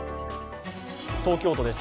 東京都です。